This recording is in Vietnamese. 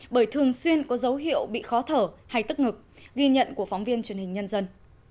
bởi thường xuyên có dấu hiệu bị khó thở hay tức ngực ghi nhận của phóng viên truyền hình nhân dân